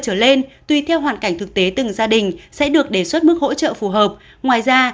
trở lên tùy theo hoàn cảnh thực tế từng gia đình sẽ được đề xuất mức hỗ trợ phù hợp ngoài ra